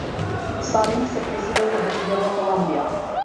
Салим се преселил од Индија во Холандија.